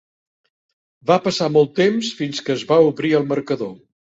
Va passar molt temps fins que es va obrir el marcador.